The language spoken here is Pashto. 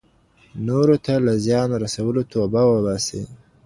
نورو ته له زیان رسولو توبه وباسئ.